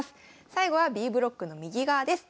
最後はＢブロックの右側です。